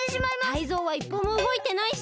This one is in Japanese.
タイゾウはいっぽもうごいてないし！